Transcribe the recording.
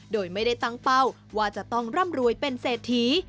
โดยไม่ได้ตั้งเป้าว่าจะต้องร่ำรวยเป็นเศรษฐี